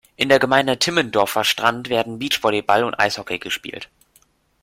In der Gemeinde Timmendorfer Strand werden Beachvolleyball und Eishockey gespielt.